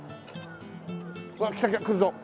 うわっ来た来た来るぞ。